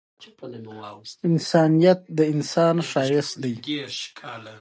د ولسمشر اجراییوي فرمانونه پالیسي ده.